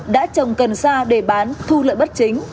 đã trồng cần sa để bán thu lợi bất chính